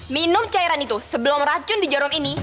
minum cairan itu sebelum racun di jarum ini